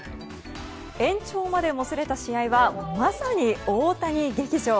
延長までもつれた試合はまさに大谷劇場。